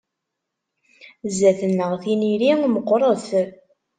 Zzat-neɣ tiniri meqqret.